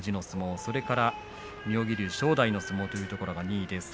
それから妙義龍、正代の相撲というところが２位に入りました。